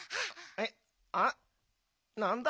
えっあっなんだ？